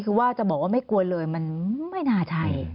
คือว่าจะบอกว่าไม่กลัวเลยมันไม่น่าใช่